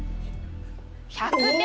１００点！